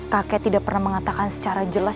kakek tidak pernah mengatakan secara jelas